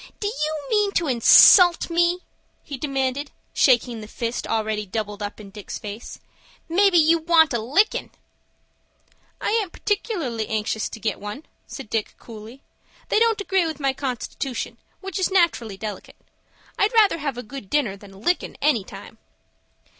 "Do you mean to insult me?" he demanded shaking the fist already doubled up in Dick's face. "Maybe you want a lickin'?" "I aint partic'larly anxious to get one," said Dick, coolly. "They don't agree with my constitution which is nat'rally delicate. I'd rather have a good dinner than a lickin' any time."